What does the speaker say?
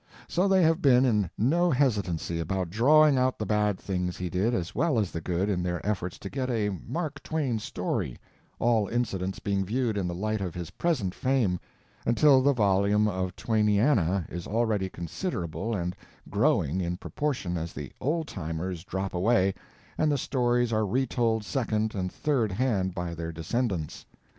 So they have been in no hesitancy about drawing out the bad things he did as well as the good in their efforts to get a "Mark Twain" story, all incidents being viewed in the light of his present fame, until the volume of "Twainiana" is already considerable and growing in proportion as the "old timers" drop away and the stories are retold second and third hand by their descendants.